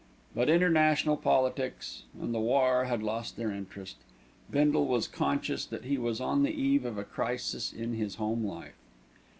But international politics and the War had lost their interest. Bindle was conscious that he was on the eve of a crisis in his home life.